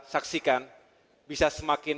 saksikan bisa semakin